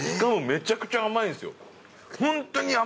めちゃくちゃ甘いんですよ！